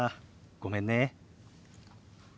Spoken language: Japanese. ごめんね。